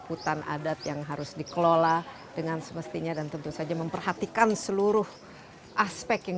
hutan adat yang harus dikelola dengan semestinya dan tentu saja memperhatikan seluruh aspek yang